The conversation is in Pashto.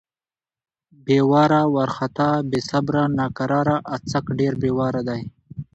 بې واره، وارختا= بې صبره، ناقراره. اڅک ډېر بې واره دی.